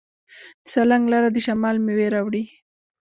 د سالنګ لاره د شمال میوې راوړي.